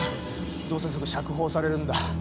どうせすぐ釈放されるんだ。